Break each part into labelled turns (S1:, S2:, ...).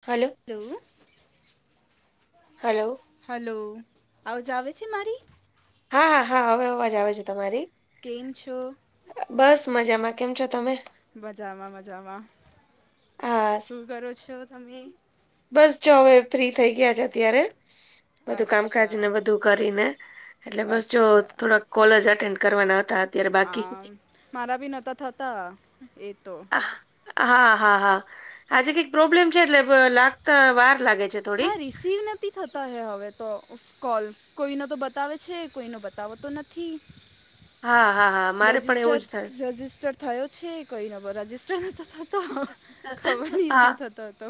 S1: હાલો,
S2: hello
S1: hello.
S2: Hello આવાજ આવે છે, મારી
S1: હા, હા, હા હવે અવાજ આવે છે. તમારી
S2: કેમ છો.
S1: બસ મજામાં. કેમ છો, તમે
S2: મજામાં મજામાં
S1: હા
S2: શું કરો છો, તમે
S1: બસ જો હવે ફ્રી થઈ ગયા છે, અત્યારે બધું કામકાજ ને
S2: અચ્છા
S1: બધું કરીને. એટલે બસ જો
S2: અચ્છા
S1: થોડાક કોલેજ એટેન્ડ કરવાના હતા. અત્યારે બાકી
S2: હા મારા ભી નહોતા થતા એતો.
S1: આહ, હા, હા, હા આજે કંઈક પ્રોબ્લેમ છે, એટલે લાગતા વાર લાગે છે. થોડી
S2: હા રિસસીવ નથી, કર નથી થતા, હવે તો કોલ કોઈનો તો બતાવે છે, કોઈનો બતાવોતો નથી.
S1: હા હા હા મારે પણ એવું જ થાય
S2: રજિસ્ટર. થયો છે, કોઈ નંબર રજિસ્ટર નોતો થતો ખબર નહીં
S1: હા
S2: શું થતો હતો.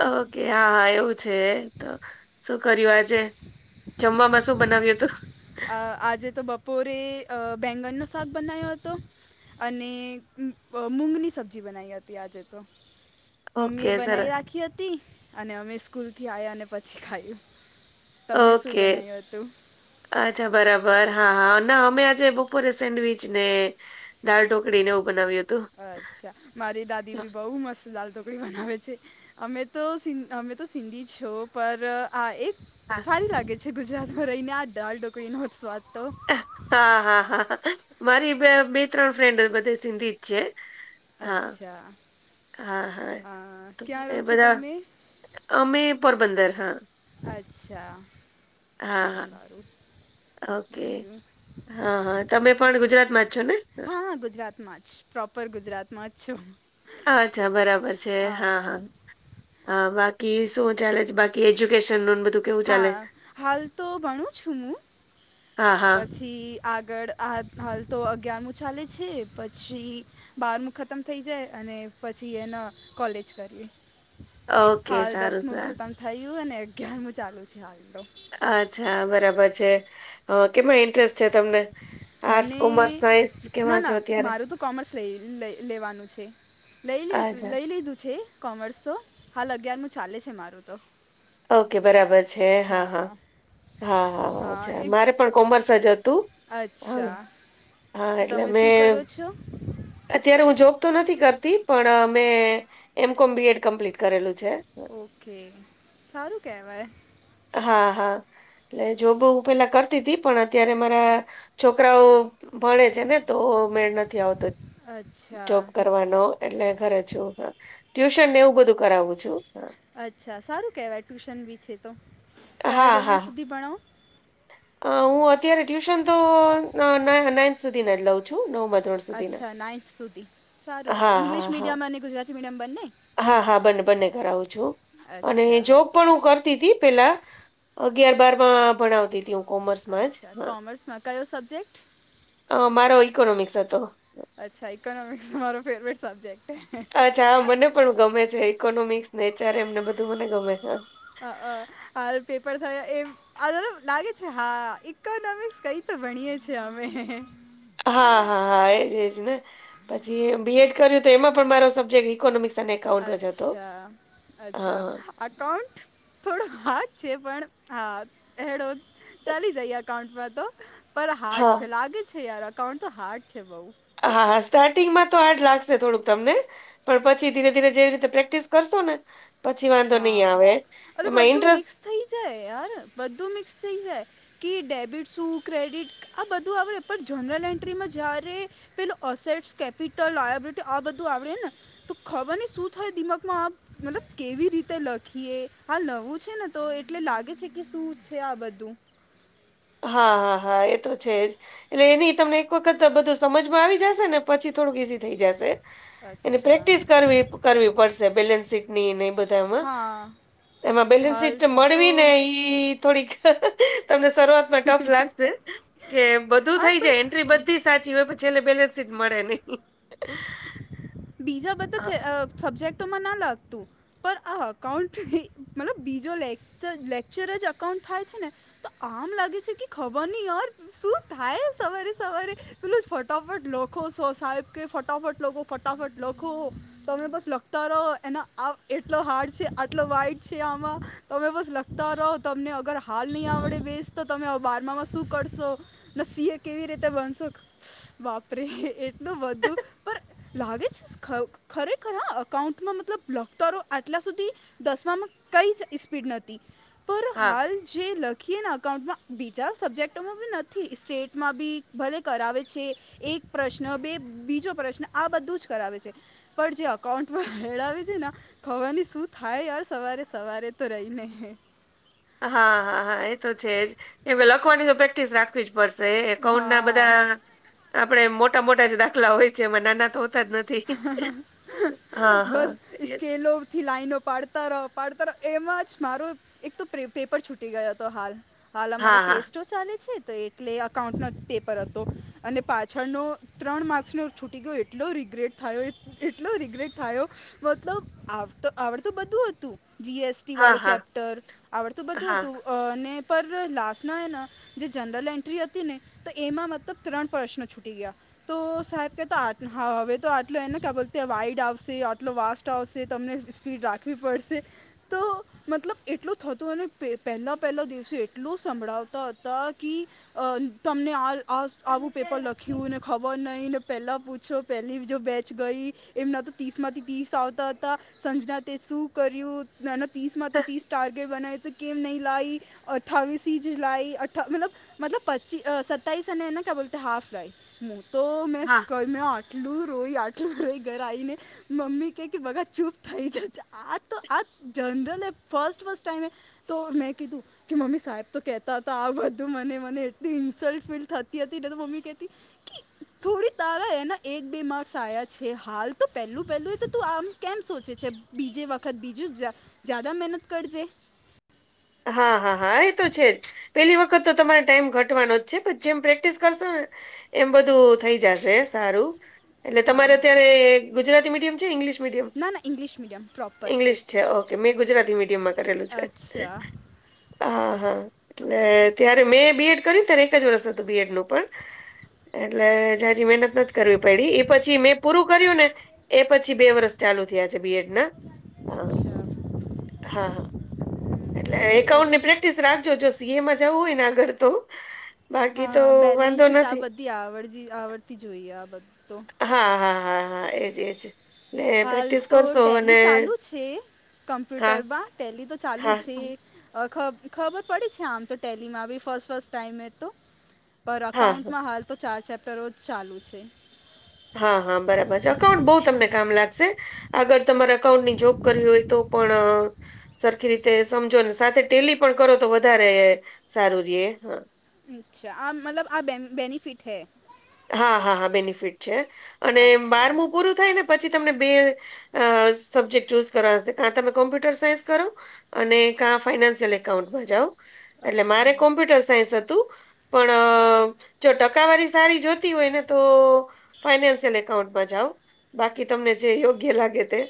S1: ઓકે હા, હા એવું છે, તો શું કર્યું આજે. જમવામાં શું બનાવ્યું હતું.
S2: અ આજે તો બપોરે બેંગનનો શાક બનાયો હતો. અને મૂગની સબ્જી બનાવી હતી, આજે તો
S1: ઓકે
S2: મમ્મીએ
S1: સરસ
S2: બનાવી રાખી હતી, અને અમે સ્કૂલથી આવ્યા અને પછી ખાયું. તમને શું
S1: ઓકે.
S2: બનાવ્યું હતું
S1: અચ્છા બરાબર હા, હા ના અમે આજે બપોરે સેન્ડવીચને. દાળ ઢોકળીને એવું બનાવ્યું હતું.
S2: અચ્છા મારી દાદી ભી બહુ મસ્ત ચાલતો. મહેમાન આવે છે, અમે તોસ અમે તો સિંધી છો, પર આ એક
S1: હા,
S2: સારી લાગે છે ગુજરાત માં રહીને આ ડાલડઈ ન સ્વાદ તો
S1: હા હા હા, મારી બે બે ત્રણ ફ્રેન્ડ બધે સિંધી જ છે. હા,
S2: અચ્છા
S1: હા હા,
S2: અ, ક્યાં
S1: એ
S2: રહો છો
S1: બધા
S2: તમે
S1: અમે પોરબંદર હા.
S2: અચ્છા,
S1: હા,
S2: સારું
S1: હા.
S2: સારું.
S1: ઓકે
S2: બીજું
S1: હા, હા તમે પણ ગુજરાતમાંજ છો ને?
S2: માંજ પ્રોપર ગુજરાતમાં જ છું.
S1: હ અચ્છા બરાબર છે
S2: અ,
S1: હા હા. હ બાકી શું ચાલે છે, બાકી એજ્યુકેશન નું બધું? કેવું ચાલે?
S2: હા હાલ તો ભણું છું, હું.
S1: હા, હા.
S2: પછી આગળ હાલતો અગિયારમું ચાલે છે, પછી બારમું ખતમ થઈ જાય અને પછી એના કોલેજ કરીએ.
S1: ઓકે
S2: હાલ
S1: સારું,
S2: દસમું
S1: સારું.
S2: ખતમ થયું અને અગયારમું ચાલુ છે હાલ તો.
S1: અચ્છા બરાબર છે કેમાં ઇન્ટરેસ્ટ છે તમને? આર્ટસ,
S2: મને
S1: કોમર્સ, સાયન્સ કેમાં
S2: નાના
S1: છો અત્યારે?
S2: મારું તો કોમર્સ લઈ લેવાનું છે. લઈ
S1: અચ્છા
S2: લઈ લીધું છે, કોમર્સ તો હાલ અગિયારમું ચાલે છે, મારું તો.
S1: ઓકે બરાબર છે, હા, હા, હા, હા અચ્છા મારે પણ કોમર્સ જ હતું હ
S2: અચ્છા
S1: હા
S2: તો
S1: એટલે
S2: તમે
S1: મે
S2: શું કરો છો
S1: અત્યારે હું જોબ તો નથી કરતી પણ અ મે એમ કોમ બી એડ કમ્પ્લીટ કરેલું છે.
S2: ઓકે, સારું કહેવાય.
S1: હા હા. જોબ હું પેલા કરતી હતી પણ અત્યારે મારા છોકરાઓ ભણેે છે ને. તો મેળ નથી આવતો જોબ
S2: અચ્છા
S1: કરવાનો. એટલે ઘરે છું હ ટ્યુશન ને એવું બધું કરાવું છું હ.
S2: અચ્છા, સારું કહેવાય ટ્યુશન બી છે તો કયા
S1: હા હા
S2: ધોરણ સુધી ભણાવો?
S1: હું અત્યારે ટ્યુશનતો નાઈન્થ સુધીને જ લઉં છું નવ
S2: અચ્છા, નાઈન્થ સુધી સારું
S1: હા
S2: સારું ઈંગ્લિશ
S1: હા હા
S2: મીડિયમ અને ગુજરાતી મીડિયમ બંન્ને?
S1: હા હા, બંને બંને કરાવું છું અને
S2: અચ્છા
S1: જો પણ હું કરતી હતી પેલા અગિયાર બારમાં ભણાવતી હતી હું. કોમર્સમાં જ
S2: અચ્છા,
S1: હા
S2: કોમર્સમાં કયો સબ્જેક્ટ?
S1: અ મારો ઈકોનોમિક્સ હતો.
S2: અચ્છા, એકઇકોનોમિક્સ તમારો ફેવરેટ સબજેક્ટ હ.
S1: અચ્છા, હા મને પણ ગમે છે ઇકોનોમિક્સ નેચાર એમને બધું મને ગમે.
S2: અ હ પેપર થયા એમ અ લાગે છે હા ઇકોનોમિક્સ કઈ તો ભણીએ છીએ અમે.
S1: હા હા હા, એજજ ને પછી બી એડ કર્યું તો એમાં પણ મારો સબ્જેક્ટ ઇકોનોમિક્સ. અને એકાઉન્ટ જ હતો
S2: અચ્છા, અચ્છા
S1: હા
S2: અકાઉન્ટ? થોડો હાજ છે પણ હા હેડો ચાલી જાય એકાઉન્ટમાં તો. પર હાર્ડ
S1: હા
S2: છે લાગે છે યાર અકાઉન્ટ તો હાર્ડ છે બઉ.
S1: હા હા, સ્ટાર્ટિંગમાં તો હાર્ડ લાગશે થોડુંક તમને. પણ પછી ધીરે ધીરે જેવી રીતે પ્રેક્ટિસ કરશો ને પછી વાંધો નઈ આવે એમાં ઇન્ટરેસ્ટ
S2: થઇ જાય યાર બધું મિક્સ થઈ જાય. કે ડેબિટ શું ક્રેડિટ આ બધું આવડે પણ જનરલ એન્ટ્રીમાં જ્યારે પેલસેટ કેપિટલ લબિલટી આ બધું આવડેને. તો ખાવાની શું થાય દિમાગમાં આ મતલબ કેવી રી તે લખીએ હાલ નવું છે ને તો એટલે લાગે છે કે શું છે આ બધું.
S1: હા હા હા એ તો છે. એટલે એની તમને એક વખત બધું સમજમાં આવી જશે ને પછી થોડુંક ઈઝી થઈ જશે. એની
S2: અચ્છા
S1: પ્રેક્ટિસ કરવી કરવી પડશે બેલેન્સ ની નઈ બધામાં
S2: હા
S1: એમાં બેલેન્સ
S2: હાલ
S1: સીટ
S2: તો
S1: મળવી નઈ. થોડીક તમને સ કટઓફ લાગશે કે બધું
S2: હા
S1: થઈ
S2: પર
S1: જાય એન્ટ્રી બધી સાચી હોય છેલ્લે પેલ્લે. મળે નહી.
S2: બીજા બધા સબ્જેક્ટોમાં ના લાગતું. પણ આ અકાઉન્ટ મતલબ બીજો લેર લેક્ચર જ અકાઉન્ટ થાય છે ને તો આમ લાગે છે કે ખબર નહી ર શું થાય સવારે સવારે. પટલે ફટાફટ લખો સાહેબ કે ફટાફટ લોકો ફટાફટ લખો. તમે બસ લખતા રહો એના આ એટલો હાર્ડ છે આટલો વાઇટ છે આમાં તમે બસ લ ત તમને અગર હાલ નહી આવડે બેસ તો તમે બારમામાં શું કરશો? ન સિહ કેવી રીતે બનશો વાપરી એટલું બધું. પર લાગે છે ખરેખર હ અકાઉન્ટમાં મતલબક તારો આટલા સુધી. દસવામાં કઈ જ સ્પીડ નથી. પર
S1: હા
S2: હાલ જે લખીએ ને અકાઉન્ટમાં બીજા સબ્જેક્ટોમાં બી નથી સ્ટેટમાં બી ભલે કરાવે છે. એક પ્રશ્ન બે બીજો પ્રશ્ન આ બધું જ કરાવે છે. પણ જે અકાઉન્ટમાં મેળાવી છે ન. ખાવાની શું થાય યાર સવારે સવારે તો રહીને હે.
S1: હા હા હા એ તો છે જ એ લખવાની તો પ્રેક્ટિસ રાખવી જ. પડશે એકાઉન્ટ ના
S2: હા
S1: બધા આપડે મોટા મોટા જ દાખલા હોય છે. એમાં નાના તો હોતા જ નથી
S2: હમ્મ હમ્મ
S1: હા હા
S2: બસ
S1: એ-
S2: સ્કેલો થી લાઈનો પાડતા રહો પાડતા રહો. એમાં જ મારું એક તો પેપર છૂટી ગયો હતો હાલ. હાલ
S1: હા
S2: અમારા
S1: હા
S2: ટેસ્ટો ચાલે છે તો એ એટલે અકાઉન્ટનો પેપર હતો અને પાછળનો ત્રણ માર્ક્સનો છૂટી ગયો. એટલો રિગ્રેટ થયો એટલો રિગ્રેટ થયો મતલબ આવડ આવડતું બધું હતું જીએસ.
S1: હા
S2: ટિવાળું
S1: હા
S2: ચેપ્ટર આવડતું બધું
S1: હા
S2: હતું. અ ને પર લાસ્ટમાં હેને જે જનરલ એન્ટ્રી હતી ને તો એમાં મતલબ ત્રણ પ્રશ્નો છૂટી ગયા. તો સાહેબ કેતા આજ હા હવે તો આટલો એને ક્યા બોલતા વાઈડ આવશે આટલો વાાસ્ટ આવશે તમને સ્પીડ રાખવી પડશે. તો મતલબ એટલું થતું અને પહેલાં પહેલા દિવસો એટલો સંભળાવતા હતા કી અ તમને આ
S1: હા
S2: આવું પેપર લખ્યું ને ખબર નહી ને પહેલા પૂછો પેલી. જો બેચ ગઈ એમના તો ત્રીસ માંથી ત્રીસ આવતા હતા સંજના તે શું કર્યું ને ત્રીસમાંથી ત્રીસ ટાર્ગેટ બનાય તો કેમ નહીં લાઈ અઠ્ઠાવીસ જ લાઈ. અઠા મતલબ મતલબ પચ્ચી સત્તાઈસ અનેને ક્યા બોલતા હાફ ગાઈ હું તો મેં કયુ આટલું રોય આટલું રોઈ ઘર આવીને મમ્મી કે કે બકા ચૂપ થઈ જાય. આ તો આ જનરલ ફસ્ટ ફસ્ટ ટાઈમ તો મેં કીધું કે મમ્મી સાહેબ તો કેતા હતા આ બધું મને મને એટલે ઇન્સલ્ટ ફીલ થતી હતી. એટલે તો મમ્મી કેતી કે થોડી તારા હ હે ને એક બે માર્ક સાયા છે હાલ તો પહેલું પહેલું તો તું આમ કેમ સોચે છે. બીજે વખત બીજું જા જ્યાદા મહેનત કરજે.
S1: હા હા હા એ તો છે જ. પેલી વખત તો તમારે ટાઈમ ઘટવાનો જ છે પણ જેમ પ્રેક્ટિસ કરશો ને એમ બધું થઈ જશે સારું. એટલે
S2: હા
S1: તમારે અત્યારે ગુજરાતી મીડિયમ છે ઇંગ્લિશ મીડિયમ
S2: ના ના ઇંગ્લિશ મીડિયમ પ્રોપર
S1: ઇંગ્લિશ? છે ઓકે મેં ગુજરાતી મીડિયમમાં કરેલું છે
S2: અચ્છા
S1: હા-હા. એટલે ત્યારે મેં બીએડ કર્યું ત્યારે એક જ વરસ હતું બીએડ નું પણ એટલે જાજી મહેનત નથી. કરવી પડી એ પછી મેં પૂરું કર્યું ને એ પછી બે વરષ ચાલુ થયા છે બીએડ ના હા
S2: અચ્છા
S1: હા હા એટલે એકાઉડ ની
S2: પછી
S1: પ્રેક્ટિસ રાખજો જો સીએમાં જવું હોય ને આગળ તો બાકી તો વાંધો નથી.
S2: આવડ આવડતી જોઈએ આ બધ તો.
S1: હા હા હા હા એજ એજ. ને
S2: હાલ
S1: પ્રેક્ટિસ
S2: તો
S1: કરશો
S2: ટેલી
S1: અને
S2: ચાલુ છે.
S1: હા
S2: કમ્પ્યુટરમાં ટેલી તો ચાલુ
S1: હા
S2: છે અ ખબ ખબર પડી છે આમ તો ટેલીમાં બી ફર્સ્ટ ફસ્ટ ટાઈમ હે તો પર
S1: હા હા
S2: અકાઉન્ટમાં હાલ તો ચાર ચેપ્ટરો જ ચાલુ છે.
S1: હા હા બરાબર છે અકાઉન્ટ બહુ તમને કામ લાગશે. અગર તમારે અકાઉન્ટની જોબ કરવી હોય તો પણ સરખી રીતે સમજો ને સાથે ટેલી પણ કરો તો વધારે સારું રે હા
S2: અચ્છા આ મતલબ આ બે બેનિફિટ હૈ
S1: હા-હા-હા બેનિફિટ છે અને
S2: અચ્છા
S1: બારમું પૂરું થાય ને પછી તમને બે સબ્જેક્ટ ચૂઝ કરવા હશે તમે કોમ્પ્યુટર સાયન્સ કરો અને કા ફાઈનાન્સિયલ એકાઉન્ટમાં જાઓ. એટલે મારે
S2: અચ્છા
S1: કોમ્પ્યુટર સાયન્સ હતું પણ જો ટકાવારી સારી જોતી હોય ને તો ફાઈનાન્શિયલ એકાઉન્ટ માં જાઉં બાકી તમને જે યોગ્ય લાગે તે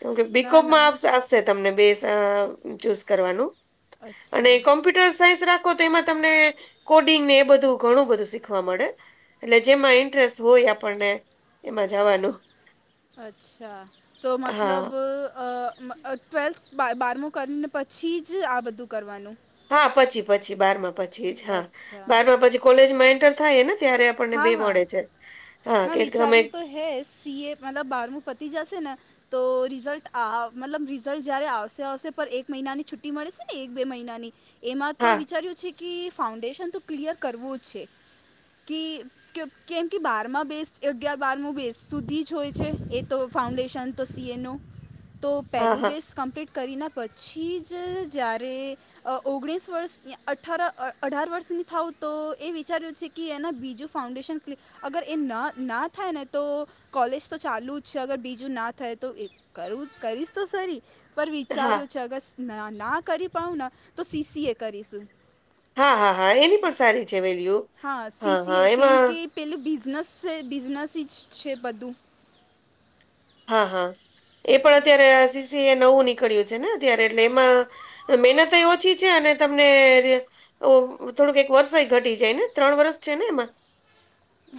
S1: કેમકે
S2: ના
S1: બીકોમમાં
S2: ના
S1: આવશે આવશે. તને બે ચૂઝ કરવાનું અને
S2: અચ્છા
S1: કોમ્પ્યુટર સાયન્સ રા તો એમાં તમને કોડિંગ ને એ બધું ઘણું બધું શીખવા મળે. એટલે જેમાં ઇન્ટરેસ્ટ હોય આપણને એમાં જવાનું.
S2: અચ્છા તો
S1: હા
S2: મતલબ અ અ ટ્વેલ્થ બ બારમું કરીને પછી જ આ બધું કરવાનું.
S1: હા પછી પછી બારમા પછી જ હા
S2: અચ્છા
S1: બારમા પછી કોલેજમાં એન્ટર થાય ને ત્યારે આપણને બે મળે છે. હા
S2: ના
S1: કે તમે
S2: વિચાર્યું તો હે સી એ મતલબ બારમું પતી જશે ને તો રિઝલ્ટ મતલબ રિઝલ્ટ જયારે આવશે આવશે પણ એક મહિનાની છુટ્ટી મળેશે ને એક બે મહિનાની એમાં તો
S1: હા
S2: વિચાર્યું ફાઉન્ડેશન તો ક્લિયર કરવું જ છે કેમ કે બ બ બે અગ્યાર બારમ બેસ સુધી જ હોય છે એ તો ફાઉન્ડેશન તો સીએન. તો
S1: હા
S2: પહેલું
S1: હા
S2: બેસ કમ્પ્લીટ કરીના પછી જ જ્યારે ઓગણીસ વર્ષ અઠારરા અઢાર વર્ષની થાવ તો એ વિચાર્યું છે કે એના બીજું ફાઉડેશન ક્લિ અગર એ ન ના થાય ને તો કોલેજ તો ચાલુ જ છે અગર બીજું ના થાય તો એ કરું કરીશ તો સારી પર
S1: હા
S2: વિચાર્યું છે અગર ના કરી પાાવ ને તો સીસી એ કરીશું.
S1: હા હા હા એની પણ સારી છે વેલ્યુ.
S2: હા
S1: હા
S2: સીસીએ કેમ
S1: એમાં
S2: કે પેલું બિઝનેસ છે બિઝનેસ જ છે બધું.
S1: હા હા એ પણ અત્યારે આસીસી એ નવું નીકળ્યું છે ને અત્યારે એટલે એમાં મહેનત ઓછી છે અને તમને ઓ થોડુંક એક વર્ષ ઘટી જાય ને ત્રણ વર્ષ છે ને એમાં.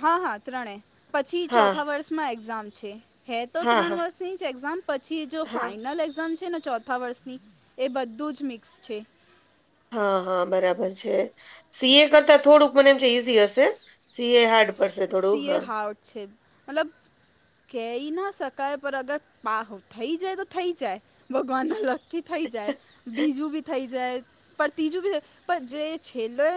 S2: હા હા ત્રણે પછી
S1: હા
S2: ચોથા વર્ષમાં એક્ઝામ છે. હે તો
S1: હા
S2: ત્રણ
S1: હા
S2: વર્ષની જ એક્ઝામ પછી જો
S1: હા
S2: ફાઈનલ એક્ઝામ છે ને ચો ચફ વર્ષની એ બધું જ મિક્સ છે.
S1: હા હા બરાબર છે સી એ કરતા થોડુંક મને એમ છે ઈઝી હશે. સીએ હારડ પરસે થોડું હ.
S2: આવ છેે. મતલબ. કહી ના શકાય પણ અગર પાહો થઈ જાય તો થઈ જાય ભગવાન ના લગ થી થઈ જાય બીજું, બી થઈ જાય, પણ ત્રીજું બી થઈ જાય પણ જે છેલ્લો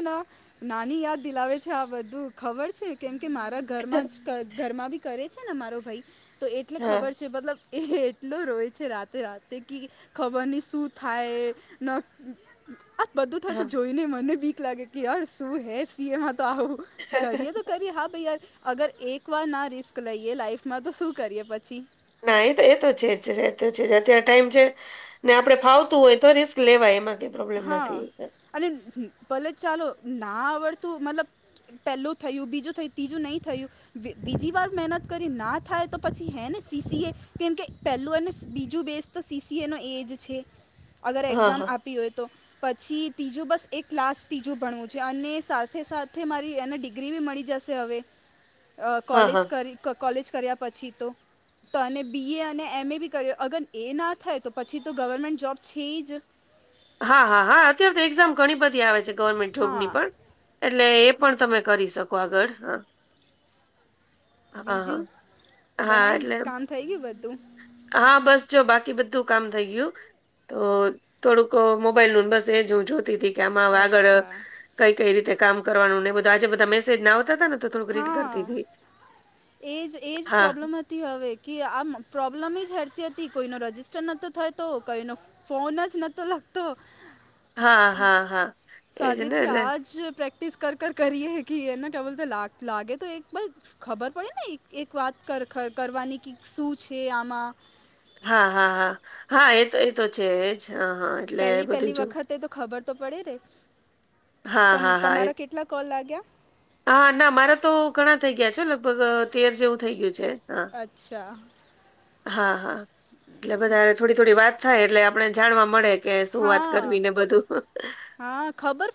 S2: નાની યાદ દિલાવે છે, આ બધું ખબર છે? કેમ કે મારા ઘરમાં જ ઘરમાં બી કરે છે ને મારો ભાઈ તો એટલે
S1: હા
S2: ખબર છે મતલબ એ એટલો રોય છે રાતે રાતે કે ખબરની શું થાય ન આ બધું
S1: હા
S2: થતું જોઈને મને બીક લાગે કે યાર શું હે સી એમાં તો આવું કરીએ તો [unintelligible] હા ભાઈ યાર અગર એક વાર ના રિસ્ક લઈએ લાઈફમાં તો શું કરીએ પછી.
S1: ના એ તો એ તો છે જ એ તો છે જ અત્યારે ટાઈમ છે ને આપડે ફાવતું હોય તો રિસ્ક લેવાય એમાં કઈ પ્રોબ્લેમ
S2: હા
S1: નથી.
S2: અને ભલે ચાલો ના આવડતું મતલબ પહેલું થયું બીજું થયું ત્રીજું નહીં થયું બીજી વાર મહેનત કરી ના થાય તો પછી હે ને સીસી એ કેમ કે પહેલું અને બીજું બેસ્ટ તો સીસીએ નો એજ છે અગર
S1: હા
S2: એક્ઝામ
S1: હા
S2: આપી હોય તો. પછી તીજું બસ એક લાસ્ટ ત્રીજું ભણવું છે અને સાથે સાથે મારી એને ડિગ્રી ડિગ્રી બી મળી જશે હવે આ
S1: હા
S2: કોલેજ
S1: હા
S2: કરી કા કોલેજ કર્યા પછી તો. તો બી એ અને એમ એ બી કર્યો અગર એ ના થાય તો પછી તો ગવર્મેન્ટ જોબ છે જ.
S1: હા હા હા અત્ય્યારે તો એક્ઝામ ઘણી બધી આવે છે ગવર્મેન્ટ જોબની
S2: હા
S1: પણ. એટલે એ પણ તમે કરી શકો આગળ હા. હા, હા.
S2: બીજું
S1: હા,
S2: બનાયવું
S1: એટલે
S2: કામ થઈ ગયું બધું?
S1: હા બસ જો બાકી બધું કામ થઈ ગયું તો થોડુંક કા મોબાઈલનું બસ એજ હું જોતી હતી કે આમાં હ આગળ
S2: અચ્છા
S1: કઈ-કઈ રીતે કામ કરવાનું ને બધું આજે બધા મેસેજ આવતા હતા ને. તો થોડુંક રીડ
S2: હા
S1: કરતી તી.
S2: એજ એજ
S1: હા,
S2: પ્રોબ્લેમ હતી હવે કે આમ પ્રોબ્લેમ જ હતી કોઈનો રજીિસ્ટર નતો થયો તો કોઈનો ફોન જ નતો લાગતો
S1: હા, હા, હા. એજ ને
S2: સાજેથી
S1: એટલે
S2: આજ પ્રેક્ટ પ્રેક્ટિસ કર કર કરીએ કે એના કેવલ તો લાગ લાગે તો એક બસ ખબર પડે ને એક વાત કર કર કરવાની કે શું છે આમાં.
S1: હા, હા, હા હા એ તો એ તો છે જ હા, હા. એટલે બધું
S2: પહેલી-પહેલી
S1: જો
S2: વખતે તો ખબર તો પડે ને.
S1: હા,
S2: તમ
S1: હા, હા એ
S2: તમારા કેટલા કોલ લાગ્યા
S1: હા ના મારા તો ઘણા થઇ ગયા છે લગભગ તેર જેવું થઇ ગયું છે. હા,
S2: અચ્છા.
S1: હા, હા એટલે વધારે થોડી થોડી વાત થાય એટલે આપણે જાણવા મળે કે શું વાત
S2: હા
S1: કરવી ને બધું
S2: હા, ખબર